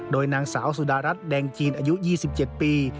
โดยนางสาวสุดารัฐแดงจีนอายุ๒๗ปี